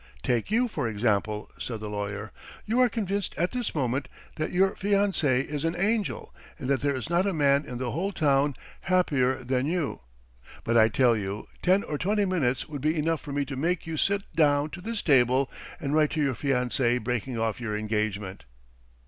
"'Take you, for example,' said the lawyer. 'You are convinced at this moment that your fiancée is an angel and that there is not a man in the whole town happier than you. But I tell you: ten or twenty minutes would be enough for me to make you sit down to this table and write to your fiancée, breaking off your engagement.